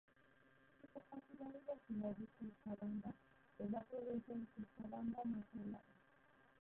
Su capital es la ciudad de Cochabamba.Es la provincia de Cochabamba más poblada.